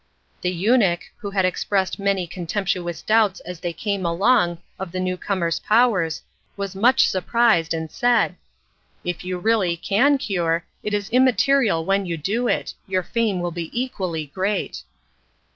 The eunuch, who had expressed many contemptuous doubts as they came along of the newcomer's powers, was much surprised and said: "If you really can cure, it is immaterial when you do it. Your fame will be equally great."